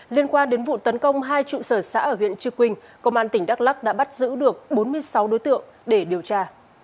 liên quan đến vụ tấn công hai trụ sở xã ở huyện chư quynh công an tỉnh đắk lắc đã bắt giữ được bốn mươi sáu đối tượng để điều tra